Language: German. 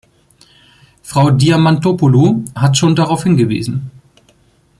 Frau Diamantopoulou hat schon darauf hingewiesen.